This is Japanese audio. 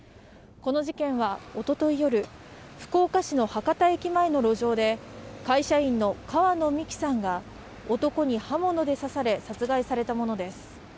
この事件はおととい夜、福岡市の博多駅前の路上で、会社員の川野美樹さんが男に刃物で刺され、殺害されたものです。